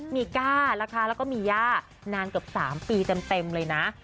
มีก้านะคะแล้วก็มีย่านานเกือบ๓ปีเต็มเลยนะ